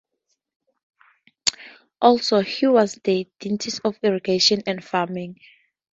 Also he was the deity of irrigation and farming.